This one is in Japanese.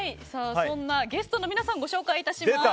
そんなゲストの皆さんご紹介いたします。